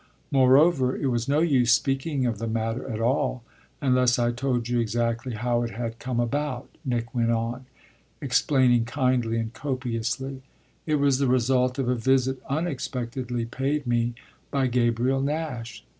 Moreover, it was no use speaking of the matter at all unless I told you exactly how it had come about," Nick went on, explaining kindly and copiously. "It was the result of a visit unexpectedly paid me by Gabriel Nash."